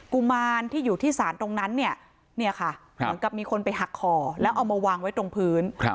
กุมารที่อยู่ที่ศาลตรงนั้นเนี่ยค่ะเหมือนกับมีคนไปหักคอแล้วเอามาวางไว้ตรงพื้น